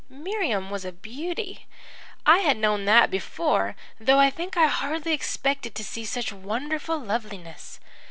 "Miriam was a beauty. I had known that before, though I think I hardly expected to see such wonderful loveliness.